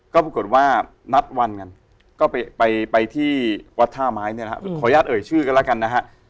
ก็ปรากฏว่านัดวันกันก็ไปที่วัดท่าไม้เนี่ยนะครับขออนุญาตเอ่ยชื่อกันแล้วกันนะฮะ